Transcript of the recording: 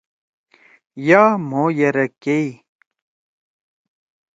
یا مھو یرَک کیئی۔